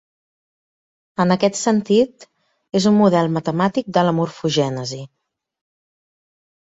En aquest sentit, és un model matemàtic de la morfogènesi.